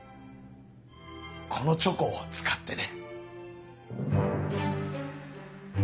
このチョコを使ってね。